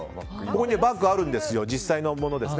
ここにバッグあるんですよ実際のものです。